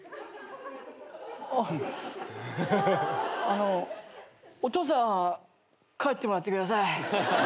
あのお父さん帰ってもらってください。